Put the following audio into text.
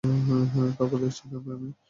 কাউকে দেখছি না আমি।